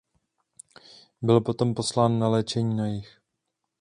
Byl potom poslán na léčení na jih.